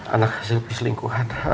anak hasil perselingkuhan